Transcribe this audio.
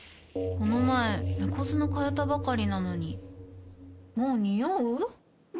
この前猫砂替えたばかりなのにもうニオう？